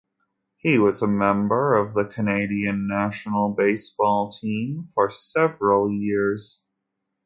He was a member of the Canadian national baseball team for several years.